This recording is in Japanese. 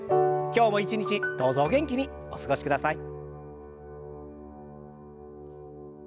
今日も一日どうぞお元気にお過ごしください。